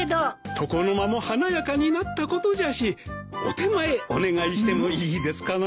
床の間も華やかになったことじゃしお点前お願いしてもいいですかな？